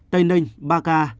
tây ninh ba ca